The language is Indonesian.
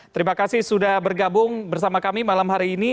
terima kasih sudah bergabung bersama kami malam hari ini